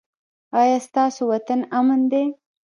ایا ستاسو وطن امن دی؟